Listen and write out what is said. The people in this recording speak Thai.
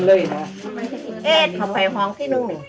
ื่นเธอไปคอคี่นึง